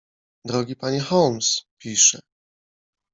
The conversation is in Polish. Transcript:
"„Drogi panie Holmes“, pisze."